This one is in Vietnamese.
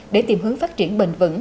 để tìm hướng phát triển bền vững